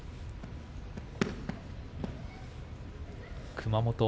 熊本